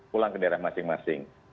pulang ke daerah masing masing